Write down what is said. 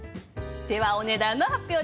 ではお値段の発表です。